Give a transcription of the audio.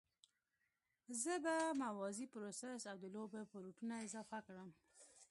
زه به موازي پروسس او د لوبو پورټونه اضافه کړم